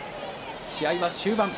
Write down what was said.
試合は終盤。